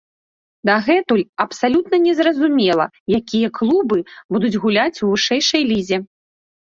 Дагэтуль абсалютна не зразумела, якія клубы будуць гуляць у вышэйшай лізе.